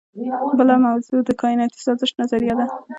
بله موضوع د کائناتي سازش نظریه ده.